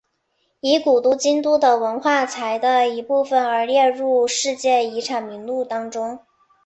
以古都京都的文化财的一部分而列入世界遗产名录当中。